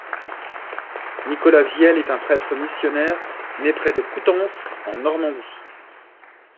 Nicolas Viel est un prêtre missionnaire, né près de Coutances, en Normandie.